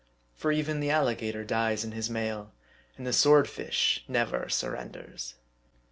For even the alligator dies in his mail, and the swordfish never sur renders.